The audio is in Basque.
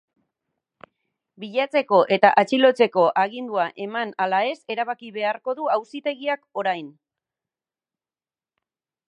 Bilatzeko eta atxilotzeko agindua eman ala ez erabaki beharko du auzitegiak orain.